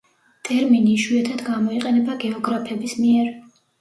ტერმინი იშვიათად გამოიყენება გეოგრაფების მიერ.